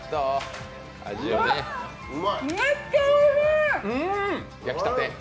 めっちゃおいしい！